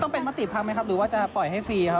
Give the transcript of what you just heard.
ต้องเป็นมติพักไหมครับหรือว่าจะปล่อยให้ฟรีครับ